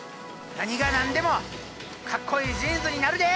なにがなんでもかっこいいジーンズになるで！